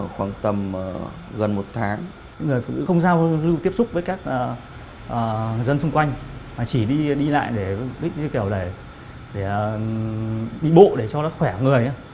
không giao tiếp xúc với các dân xung quanh mà chỉ đi lại để đi bộ để cho nó khỏe người